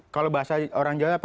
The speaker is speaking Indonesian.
kalau bahasa orang jawa